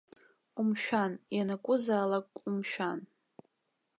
Умшәан, ианакәызаалак умшәан.